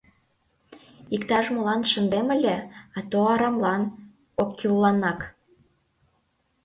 Иктаж-молан шындем ыле, ато арамлан... оккӱлланак...